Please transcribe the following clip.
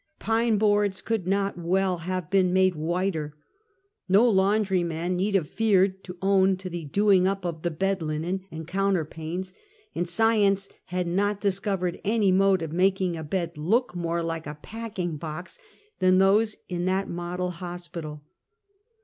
Pine boards could not well have been made whiter. l!^o laundry man need have feared to own to the doing up of the bed linen and counterpanes, and science had not discovered any mode of making a bed look more like a packing box, than those in that model hospital.